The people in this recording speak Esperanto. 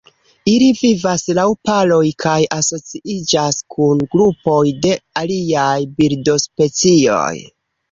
Ili vivas laŭ paroj kaj asociiĝas kun grupoj de aliaj birdospecioj.